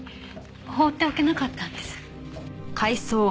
放っておけなかったんです。